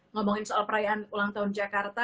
ngomongin soal perayaan ulang tahun jakarta